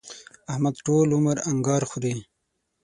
احمد ټول عمر انګار خوري.